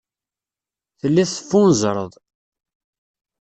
Telliḍ teffunzreḍ.